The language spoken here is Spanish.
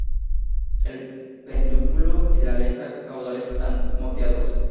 El pedúnculo y la aleta caudales están moteados.